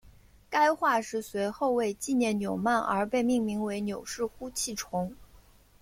该化石随后为纪念纽曼而被命名为纽氏呼气虫。